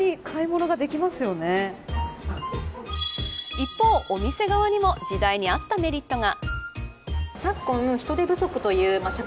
一方、お店側にも時代に合ったメリットが。